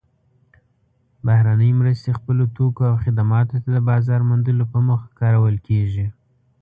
بهرنۍ مرستې خپلو توکو او خدماتو ته د بازار موندلو په موخه کارول کیږي.